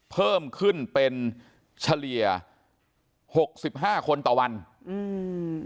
เพิ่มขึ้นเป็นเฉลี่ยหกสิบห้าคนต่อวันอืม